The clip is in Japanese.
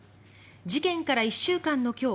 事件から１週間の今日